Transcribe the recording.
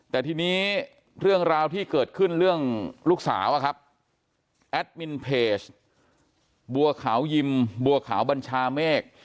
แต่ทีนี้เรื่องราวที่เกิดขึ้นเรื่องลูกสาวอะครับแอดมินเพจบัวขาวยิมบัวขาวบัญชาเมฆ